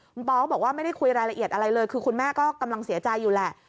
คุณปอก็บอกว่าไม่ได้คุยรายละเอียดอะไรเลยคือคุณแม่ก็กำลังเสียใจอยู่แหละ